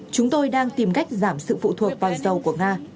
chúng tôi đang tìm cách giảm sự phụ thuộc vào dầu của nga